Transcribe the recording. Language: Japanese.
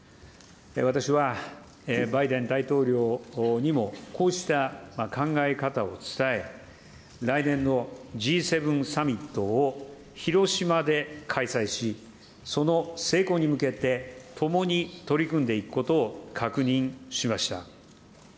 私はバイデン大統領にもこうした考え方を伝え、来年のＧ７サミットを広島で開催し、その成功に向けて、共に取り組んでいくことを確認しました。